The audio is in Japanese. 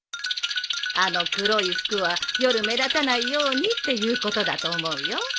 あの黒い服は夜目立たないようにっていうことだと思うよ。